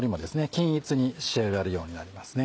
均一に仕上がるようになりますね。